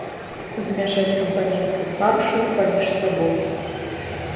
Змяшаць кампаненты фаршу паміж сабой.